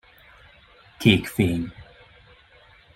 Kék fény.